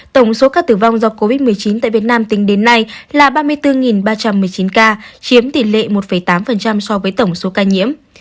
tổng số ca tử vong do covid một mươi chín tại việt nam tính đến nay là ba mươi bốn ba trăm một mươi chín ca chiếm tỷ lệ một tám so với tổng số ca nhiễm